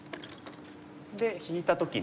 で引いた時に。